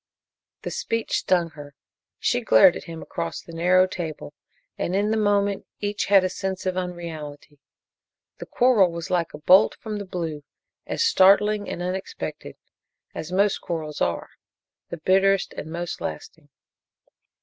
The speech stung her. She glared at him across the narrow table, and, in the moment, each had a sense of unreality. The quarrel was like a bolt from the blue, as startling and unexpected as most quarrels are the bitterest and most lasting.